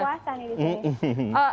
ini puasa nih